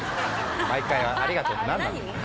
毎回「ありがとう」ってなんなんだよ。